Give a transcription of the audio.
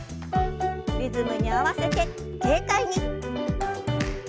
リズムに合わせて軽快に。